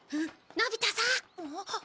のび太さん。